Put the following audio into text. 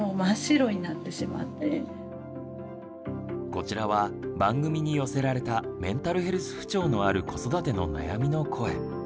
こちらは番組に寄せられたメンタルヘルス不調のある子育ての悩みの声。